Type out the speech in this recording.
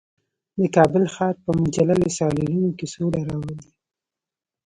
د کابل ښار په مجللو سالونونو کې سوله راولي.